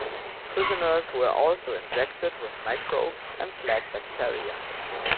Prisoners were also injected with microbes and plague bacteria.